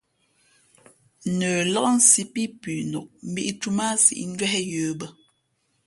Pά nəlāk sī pí pʉnok, mbīʼtū mά a síʼ njwéh yə̌ bᾱ.